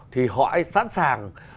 thì họ ấy sẵn sàng